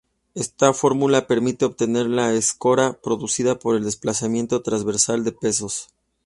Esta fórmula permite obtener la escora producida por el desplazamiento transversal de pesos.